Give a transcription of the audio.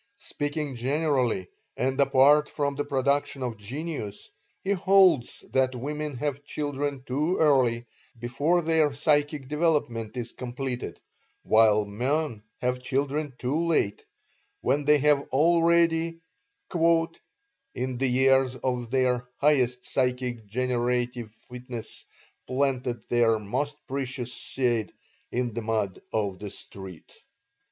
Speaking generally, and apart from the production of genius, he holds that women have children too early, before their psychic development is completed, while men have children too late, when they have already "in the years of their highest psychic generative fitness planted their most precious seed in the mud of the street."